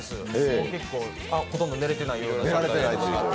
結構、ほとんど寝れてないような状態です。